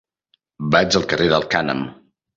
Vaig al carrer del Cànem.